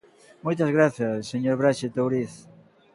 Moitas grazas, señor Braxe Touriz.